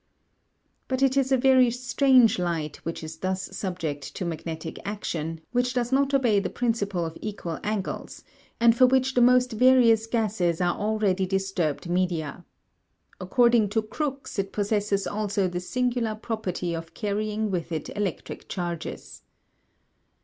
But it is a very strange light which is thus subject to magnetic action, which does not obey the principle of equal angles, and for which the most various gases are already disturbed media. According to Crookes it possesses also the singular property of carrying with it electric charges.